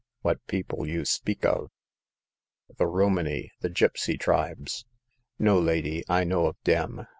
" What people you speak of ?"" The Romany— the gipsy tribes." " No, lady ; I no of dem.